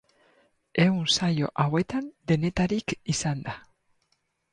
Ehun saio hauetan, denetarik izan da.